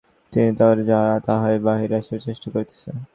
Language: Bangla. ভিতরে যাহা আছে, তাহাই বাহিরে আসিবার চেষ্টা করিতেছে।